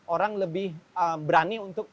orang lebih berani untuk